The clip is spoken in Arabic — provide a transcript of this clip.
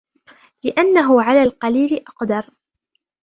لِأَنَّهُ عَلَى الْقَلِيلِ أَقْدَرُ